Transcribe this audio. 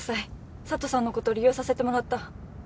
佐都さんのこと利用させてもらった。